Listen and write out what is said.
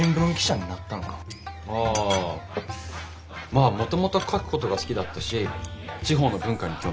まあもともと書くことが好きだったし地方の文化に興味があって。